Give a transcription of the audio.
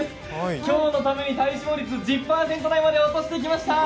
今日のために体脂肪率１０％台まで落としてきました。